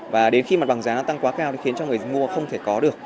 và đến khi mặt bằng giá tăng quá cao thì khiến cho người mua không thể có được